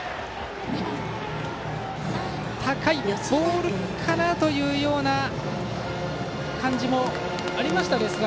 高い、ボールかなというような感じもありましたが。